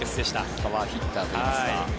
パワーヒッターといいますか。